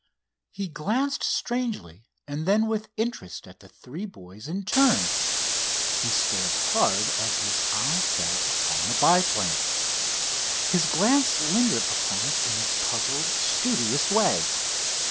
He glanced strangely and then with interest at the three boys in turn. He stared hard as his eye fell upon the biplane. His glance lingered upon it in a puzzled, studious way.